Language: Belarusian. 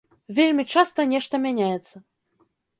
Вельмі часта нешта мяняецца.